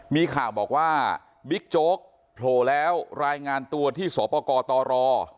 มีข่าวบอกว่าบิ๊กโจ๊กโผล่แล้วรายงานตัวที่สปกตร